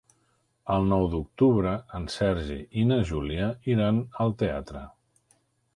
El nou d'octubre en Sergi i na Júlia iran al teatre.